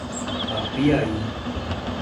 Apiaí